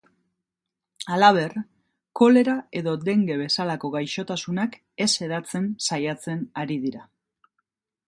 Halaber, kolera edo denge bezalako gaixotasunak ez hedatzen saiatzen ari dira.